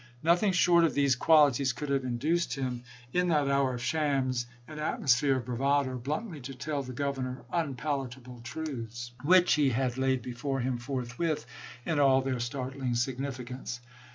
Nothing short of these qualities could have induced him, in that hour of shams and atmosphere of bravado, bluntly to tell the Governor unpalatable truths, 118 ABKAHAM LINCOLN chap. ix. which he laid before him forthwith, in all their startling significance.